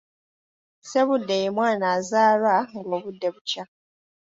Ssebudde ye mwana azaalwa ng’obudde bukya.